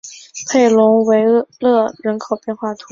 佩龙维勒人口变化图示